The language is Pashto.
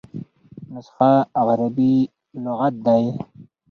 نسخه عربي لغت دﺉ.